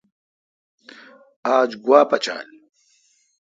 آج گوا پچال۔